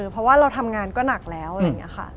เพราะว่าเราทำงานก็หนักแล้วอะไรอย่างนี้ค่ะ